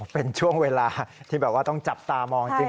เป็นช่วงเวลาที่แบบว่าต้องจับตามองจริง